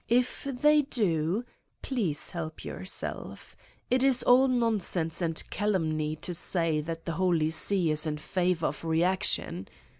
If they do, please help yourself! It is all nonsense and calumny to say that the Holy See is in favor of reaction.